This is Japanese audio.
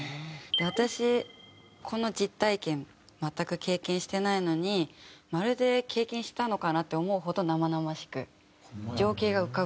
私この実体験全く経験してないのにまるで経験したのかなって思うほど生々しく情景が浮かぶんですよね。